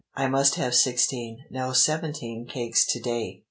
I must have sixteen no, seventeen cakes to day.